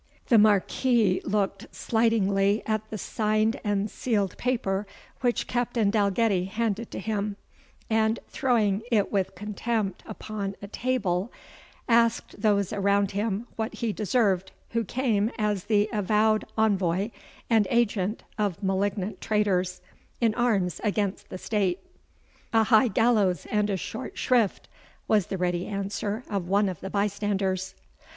The Marquis looked slightingly at the signed and sealed paper which Captain Dalgetty handed to him, and, throwing it with contempt upon a table, asked those around him what he deserved who came as the avowed envoy and agent of malignant traitors, in arms against the state? "A high gallows and a short shrift," was the ready answer of one of the bystanders.